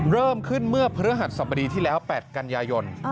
เริ่มขึ้นเมื่อพฤหัสสบดีที่แล้ว๘กันยายน